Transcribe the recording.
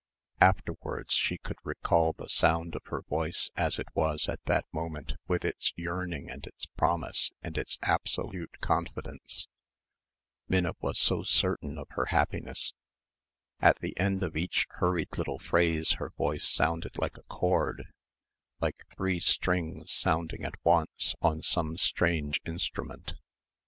Afterwards she could recall the sound of her voice as it was at that moment with its yearning and its promise and its absolute confidence, Minna was so certain of her happiness at the end of each hurried little phrase her voice sounded like a chord like three strings sounding at once on some strange instrument.